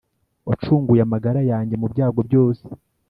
wacunguye amagara yanjye mu byago byose,